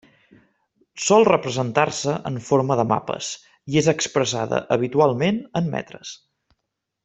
Sol representar-se en forma de mapes i és expressada habitualment en metres.